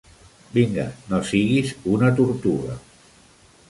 Vinga! No siguis una tortuga!